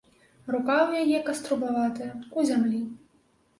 Рука ў яе каструбаватая, у зямлі.